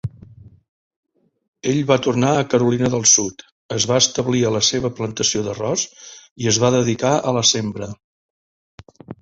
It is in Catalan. Ell va tornar a Carolina del Sud, es va establir en la seva plantació d'arròs i es va dedicar a la sembra.